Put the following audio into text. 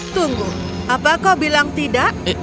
tunggu apa kau bilang tidak